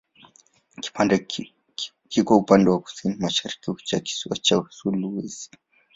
Kiko upande wa kusini-mashariki wa kisiwa cha Sulawesi.